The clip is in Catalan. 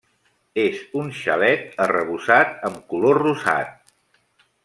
És un xalet arrebossat amb color rosat.